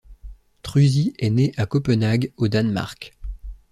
Truzzi est né à Copenhague, au Danemark.